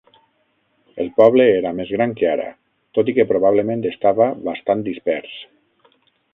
El poble era més gran que ara, tot i que probablement estava bastant dispers.